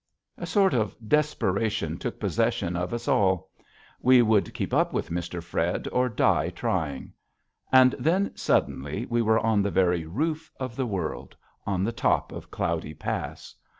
A sort of desperation took possession of us all. We would keep up with Mr. Fred or die trying. And then, suddenly, we were on the very roof of the world, on the top of Cloudy Pass.